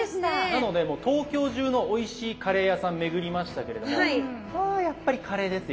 なので東京中のおいしいカレー屋さん巡りましたけれどもやっぱりカレーですよ。